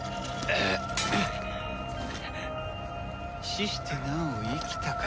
死してなお生きたか。